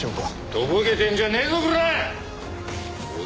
とぼけてんじゃねえぞコラッ！